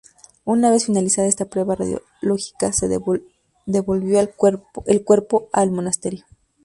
Una vez finalizada esta prueba radiológica se devolvió el cuerpo al monasterio.